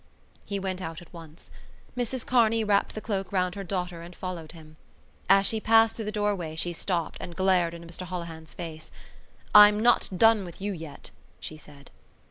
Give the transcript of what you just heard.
He went out at once. Mrs Kearney wrapped the cloak round her daughter and followed him. As she passed through the doorway she stopped and glared into Mr Holohan's face. "I'm not done with you yet," she said.